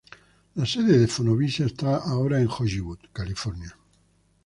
La sede de Fonovisa esta ahora en Hollywood, California.